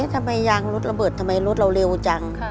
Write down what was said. ทำไมยางรถระเบิดทำไมรถเราเร็วจัง